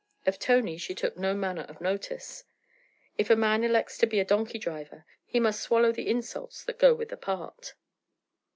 Of Tony she took no manner of notice; if a man elects to be a donkey driver, he must swallow the insults that go with the part.